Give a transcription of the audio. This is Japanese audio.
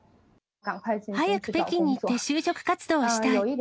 早く北京に行って就職活動をしたい。